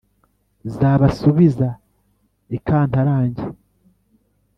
zabasubiza ikantarange